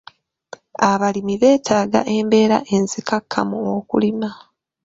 Abalimi beetaaga embeera enzikakkamu okulima.